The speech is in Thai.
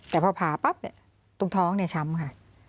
แต่พอผ่าปั๊บเนี่ยตรงท้องเนี่ยช้ำค่ะ